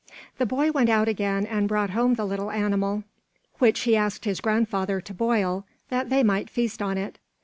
The boy went out again and brought home the little animal, which he asked his grandfather to boil, that they might feast on it.